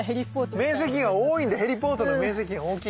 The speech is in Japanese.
面積が多いんでヘリポートの面積が大きい。